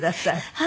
はい。